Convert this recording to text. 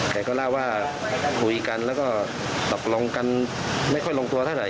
แกก็เล่าว่าคุยกันแล้วก็ตกลงกันไม่ค่อยลงตัวเท่าไห